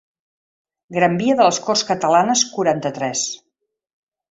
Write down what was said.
Gran via de les Corts Catalanes quaranta-tres.